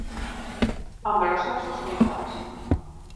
Ámbolos sexos son iguais.